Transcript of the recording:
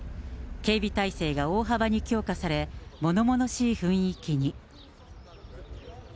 警備態勢が大幅に強化され、ものものしい雰囲気に。